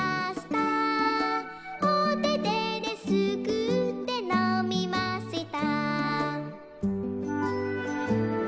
「おててですくってのみました」